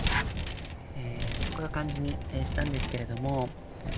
こういう感じにしたんですけれども。